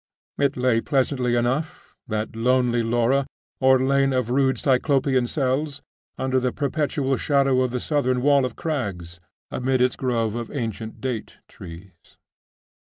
It lay pleasantly enough, that lonely Laura, or lane of rude Cyclopean cells, under the perpetual shadow of the southern wall of crags, amid its grove of ancient date trees.